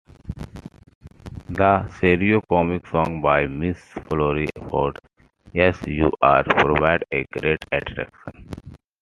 The serio-comic song by Miss Florrie Ford, 'Yes, You Are,' proved a great attraction.